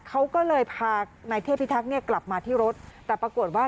เขาก็เลยพานายเทพิทักษ์เนี่ยกลับมาที่รถแต่ปรากฏว่า